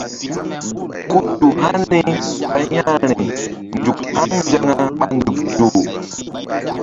Ku tu hani ɓa ƴa̧h ri nzuk haŋ nzaŋa ɓa nzuk zoh.